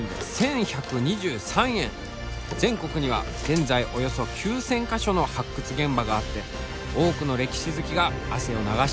全国には現在およそ９，０００か所の発掘現場があって多くの歴史好きが汗を流しているんだって。